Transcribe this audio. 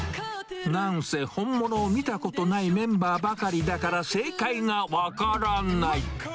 なんせ本物を見たことないメンバーばかりだから、正解が分からない。